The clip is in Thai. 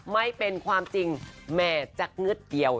ไม่เป็นความจริงแหม่จากเงือดเดียว